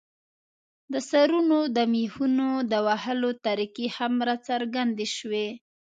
د سرونو د مېخونو د وهلو طریقې هم راڅرګندې شوې.